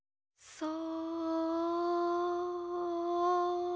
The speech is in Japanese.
そう！